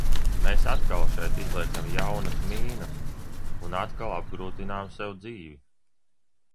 "Mēs atkal šeit izliekam jaunas "mīnas" un atkal apgrūtinām sev dzīvi."